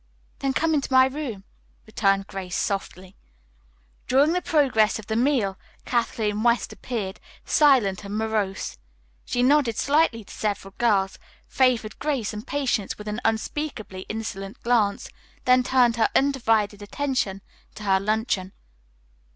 "Then come into my room," returned Grace softly. During the progress of the meal Kathleen West appeared, silent and morose. She nodded slightly to several girls, favored Grace and Patience with an unspeakably insolent glance, then turned her undivided attention to her luncheon.